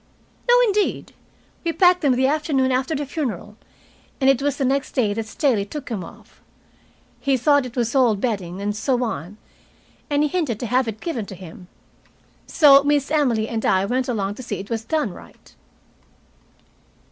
"No, indeed. We packed them the afternoon after the funeral, and it was the next day that Staley took them off. He thought it was old bedding and so on, and he hinted to have it given to him. So Miss Emily and I went along to see it was done right."